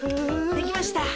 できました。